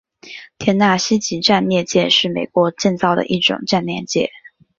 田纳西级战列舰是美国建造的一种战列舰。